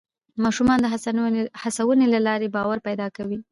ماشومان د هڅونې له لارې باور پیدا کوي